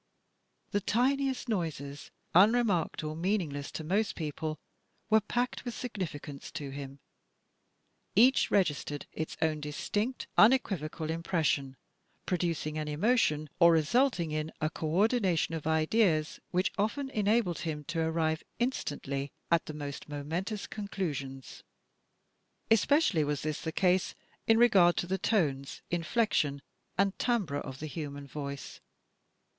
The tiniest noises, unremarked or meaningless to most people, were packed with significance to him. Each registered its own distinct, unequivocal impression, producing an emotion or resulting in a co ordination of ideas which often enabled him to arrive instantly at the most momentous conclusions. Especially was this the case in regard to the tones, inflection, and timbre of the human voice.